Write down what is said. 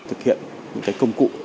thực hiện những công cụ